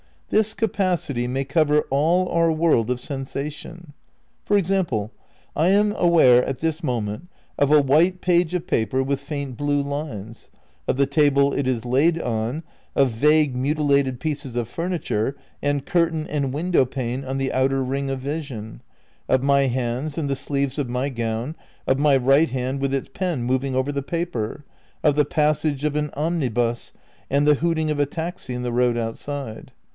This capacity may cover all our world of sensation. For example, I am aware at this moment of a white page of paper with faint blue lines, of the table it is laid on, of vague mutilated pieces of furniture and curtain and window pane on the outer ring of vision, of my hands and the sleeves of my gown, of my right hand with its pen moving over, the paper, of the pas sage of an omnibus and the hooting of a taxi in the road outside.